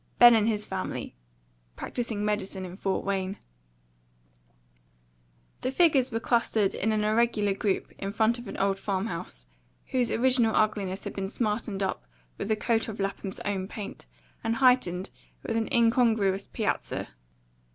Ben and his family practising medicine in Fort Wayne." The figures were clustered in an irregular group in front of an old farm house, whose original ugliness had been smartened up with a coat of Lapham's own paint, and heightened with an incongruous piazza.